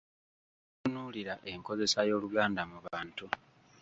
Tutunuulira enkozesa y’Oluganda mu bantu.